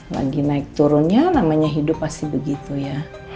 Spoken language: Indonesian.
lagi naik turunnya namanya hidup pasti begitu ya